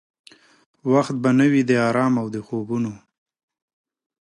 وخت به نه وي د آرام او د خوبونو؟